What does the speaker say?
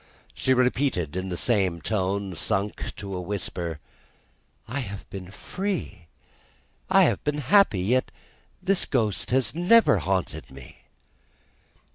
She repeated in the same tone, sunk to a whisper, "I have been free, I have been happy, yet his Ghost has never haunted me!"